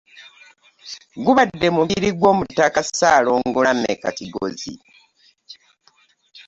Gubadde mubiri gw'omutaka Ssaalongo Lameck Kigozi